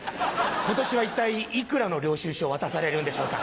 今年は一体幾らの領収書を渡されるんでしょうか？